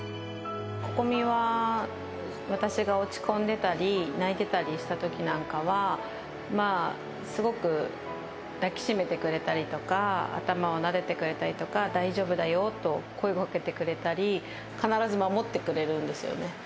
心々咲は私が落ち込んでたり、泣いてたりしたときなんかは、まあ、すごく抱きしめてくれたりとか、頭をなでてくれたりとか、大丈夫だよと声をかけてくれたり、必ず守ってくれるんですよね。